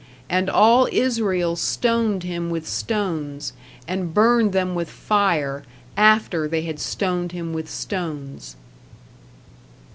And all Israel stoned him with stones, and burned them with fire, after they had stoned him with stones.